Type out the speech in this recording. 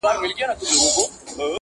• آزمېیل یې په زندان کي هره څوکه -